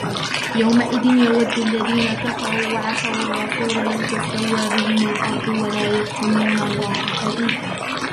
يومئذ يود الذين كفروا وعصوا الرسول لو تسوى بهم الأرض ولا يكتمون الله حديثا